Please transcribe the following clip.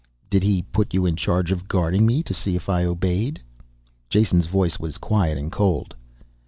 "Did he put you in charge of guarding me to see if I obeyed?" Jason's voice was quiet and cold.